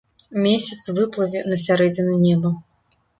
Месяц выплыве на сярэдзіну неба.